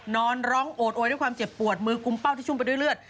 นอนร้องโอดโวยด้วยความเจ็บปวดมือกุมเป้าที่ชุ่มไปด้วยเลือด